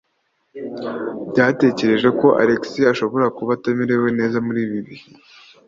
Byatekereje ko Alex ashobora kuba atamerewe neza muri ibi bihe.